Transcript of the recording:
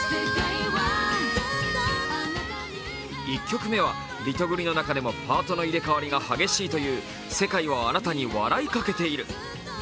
１曲目はリトグリの中でもパートの入れ替わりが激しいという「世界はあなたに笑いかけている」。